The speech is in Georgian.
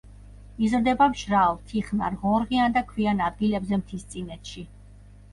იზრდება მშრალ, თიხნარ, ღორღიან და ქვიან ადგილებზე მთისწინეთში.